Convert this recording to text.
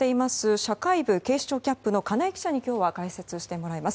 社会部警視庁キャップの金井記者に今日は解説してもらいます。